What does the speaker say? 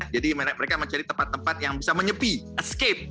jadi mereka mencari tempat tempat yang bisa menyepi escape